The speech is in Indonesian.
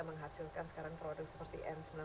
menghasilkan sekarang produk seperti n sembilan puluh